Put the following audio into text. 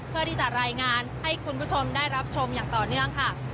เพื่อที่จะรายงานให้คุณผู้ชมได้รับชมอย่างต่อเนื่องค่ะ